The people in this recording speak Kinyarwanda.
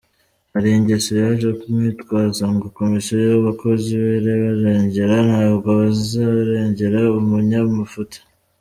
Hari ingeso yaje mwitwaza ngo komisiyo y’abakozi irabarengera, ntabwo bazarengera umunyamafuti.